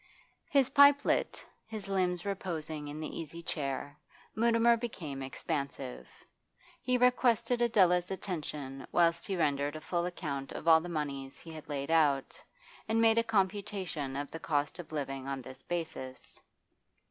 His pipe lit, his limbs reposing in the easy chair, Mutimer became expansive. He requested Adela's attention whilst he rendered a full account of all the moneys he had laid out, and made a computation of the cost of living on this basis.